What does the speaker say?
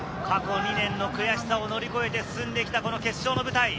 過去２年の悔しさを乗り越えて進んできた決勝の舞台。